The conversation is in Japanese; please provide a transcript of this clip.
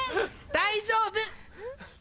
大丈夫！